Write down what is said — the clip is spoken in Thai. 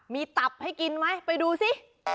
มีตับให้กินไหมไปดูสิ